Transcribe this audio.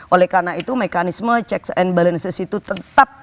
oleh karena itu mekanisme checks and balances itu tetap